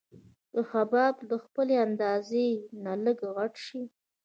که حباب د خپلې اندازې نه لږ غټ شي.